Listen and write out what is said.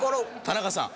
田中さん。